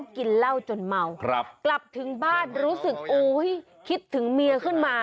กินเหล้าจนเมากลับถึงบ้านรู้สึกโอ้ยคิดถึงเมียขึ้นมา